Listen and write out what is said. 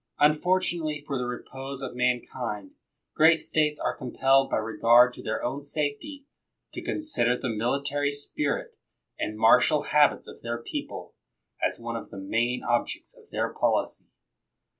Unfortunately for the repose of mankind, great States are compelled by regard to their own safety, to consider the military spirit and martial habits of their people as one of the main objects of their policy.